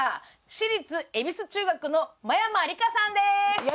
私立恵比寿中学の真山りかです。